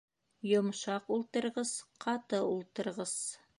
Йомшаҡ ултырғыс. Ҡаты ултырғыс